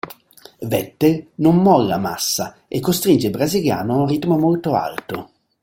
Vettel non molla Massa e costringe il brasiliano a un ritmo molto alto.